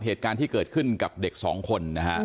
เหตุการณ์ที่เกิดขึ้นกับเด็กสองคนนะฮะ